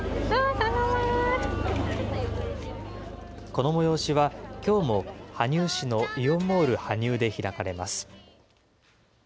この催しは、きょうも羽生市のイオンモール羽生で開かれます。